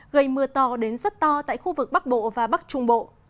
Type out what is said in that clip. gây mưa to đến rất to tại khu vực bắc bộ và bắc trung bộ